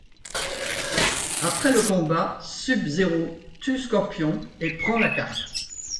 Après le combat, Sub-Zero tue Scorpion et prend la carte.